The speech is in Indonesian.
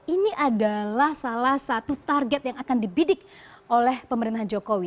ini adalah salah satu target yang akan dibidik oleh pemerintahan jokowi